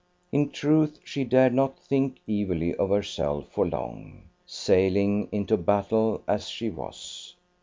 In truth she dared not think evilly of herself for long, sailing into battle as she was.